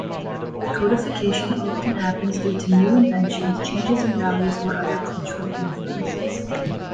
Codification often happens due to new inventions, changes in values or other cultural influences.